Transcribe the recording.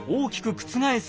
覆す